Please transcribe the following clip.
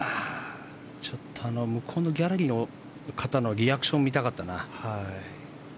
向こうのギャラリーの方のリアクション見たかったな。